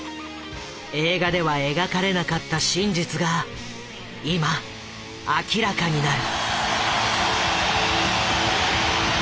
映画では描かれなかった真実が今明らかになる。